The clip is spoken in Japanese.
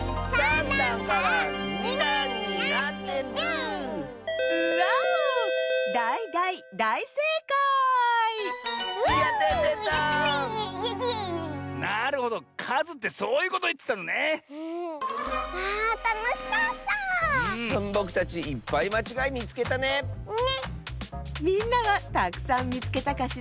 みんなはたくさんみつけたかしら？